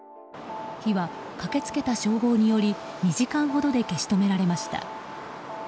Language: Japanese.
火は、駆け付けた消防により２時間ほどで消し止められました。